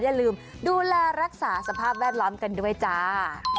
อย่าลืมดูแลรักษาสภาพแวดล้อมกันด้วยจ้า